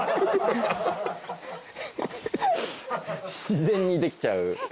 自然にできちゃう。